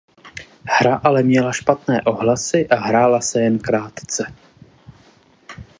Hra ale měla špatné ohlasy a hrála se jen krátce.